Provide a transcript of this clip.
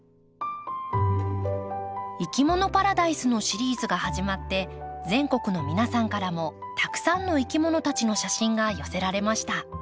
「いきものパラダイス」のシリーズが始まって全国の皆さんからもたくさんのいきものたちの写真が寄せられました。